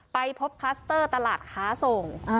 ไปพบคลัสเตอร์ตลาดค้าส่ง